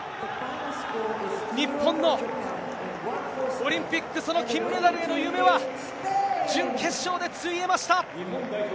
日本のオリンピック、その金メダルへの夢は、準決勝でついえました。